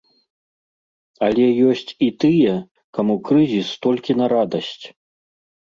Але ёсць і тыя, каму крызіс толькі на радасць.